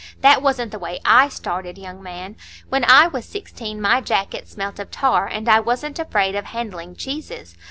That wasn't the way I started, young man; when I was sixteen, my jacket smelt of tar, and I wasn't afraid of handling cheeses.